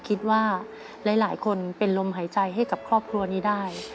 คิดว่าหลายคนเป็นลมหายใจให้กับครอบครัวนี้ได้